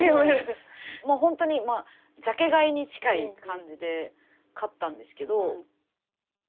もうほんとにジャケ買いに近い感じで買ったんですけど。